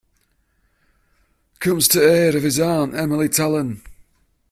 Comes to the aid of his aunt, Emily Talon.